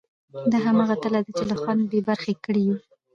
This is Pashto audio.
دا همغه تله ده چې له خوند بې برخې کړي یو.